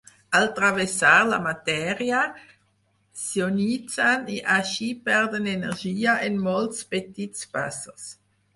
Al travessar la matèria, s'ionitzen i així perden energia en molts petits passos.